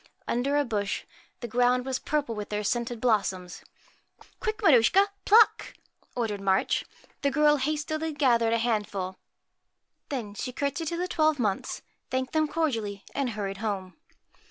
Under a bush, the ground was purple with their scented blossoms. 1 Quick, Maruschka, pluck !' ordered March. The girl hastily gathered a handful. Then she cour tesied to the twelve Months, thanked them cordially, and hurried home.